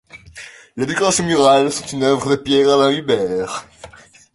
Les décorations murales sont une œuvre de Pierre-Alain Hubert.